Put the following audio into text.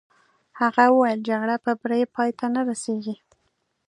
هغه وویل: جګړه په بري پای ته نه رسېږي.